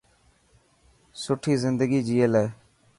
سٺي زندگي جئي لي.